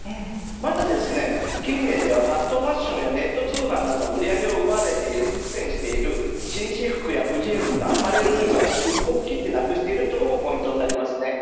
また近年ではファストファッションやネット通販などに売り上げを奪われていて苦戦をしている紳士服や婦人服のアパレル売り場を思い切ってなくしているのもポイントになります。